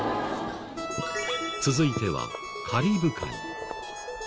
続いてはカリブ海。